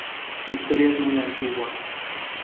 Su historia es muy antigua.